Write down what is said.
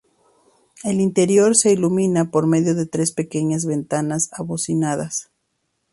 El interior se ilumina por medio de tres pequeñas ventanas abocinadas.